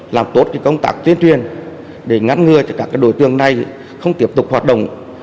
các công tác tuyên truyền để ngăn ngừa cho các đối tượng này không tiếp tục hoạt động